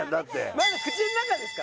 まだ口の中ですか？